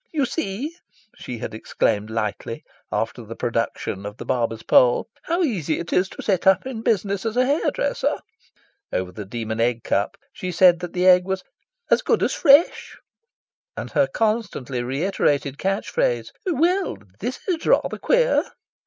"You see," she had exclaimed lightly after the production of the Barber's Pole, "how easy it is to set up business as a hairdresser." Over the Demon Egg Cup she said that the egg was "as good as fresh." And her constantly reiterated catch phrase "Well, this is rather queer!"